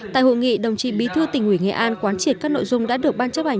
tại hội nghị đồng chí bí thư tỉnh ủy nghệ an quán triệt các nội dung đã được ban chấp hành